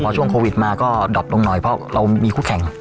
พอช่วงโควิดมาก็ดอบลงหน่อยเพราะเรามีคู่แข่ง